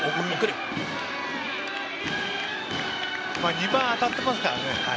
２番が当たっていますからね。